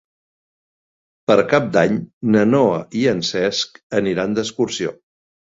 Per Cap d'Any na Noa i en Cesc aniran d'excursió.